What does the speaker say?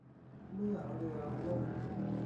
เมื่อเรือล่ม